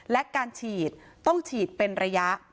และการฉีดต้องฉีดเป็นระยะ